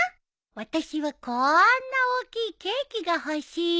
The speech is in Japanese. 私はこんな大きいケーキが欲しい。